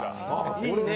「いいね。